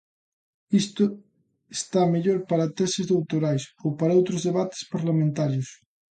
Iso está mellor para teses doutorais ou para outros debates parlamentarios.